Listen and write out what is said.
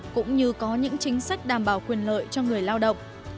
cũng như có những chính sách đảm bảo quyền lợi cho người lao động